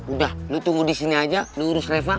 udah lo tunggu disini aja lo urus reva